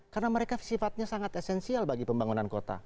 karena mereka sifatnya sangat esensial bagi pembangunan kota